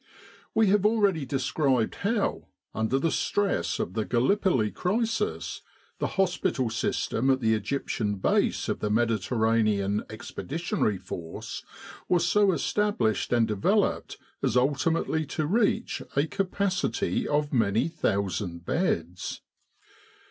We have already described how, under the stress of the Gallipoli crisis, the hospital system at the 231 With the R.A.M.C. in Egypt Egyptian Base of the Mediterranean Expeditionary Force was so established and developed as ultimately to reach a capacity of many thousand beds.